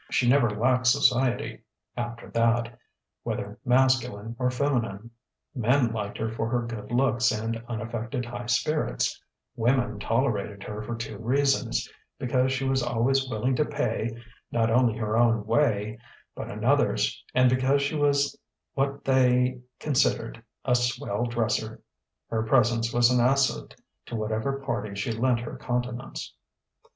She never lacked society, after that, whether masculine or feminine. Men liked her for her good looks and unaffected high spirits; women tolerated her for two reasons, because she was always willing to pay not only her own way but another's, and because she was what they considered a "swell dresser": her presence was an asset to whatever party she lent her countenance.